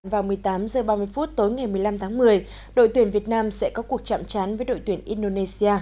vào một mươi tám h ba mươi phút tối ngày một mươi năm tháng một mươi đội tuyển việt nam sẽ có cuộc chạm chán với đội tuyển indonesia